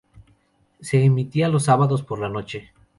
Se emitía los sábados por la noche.